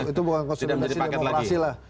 itu bukan konsolidasi demokrasi lah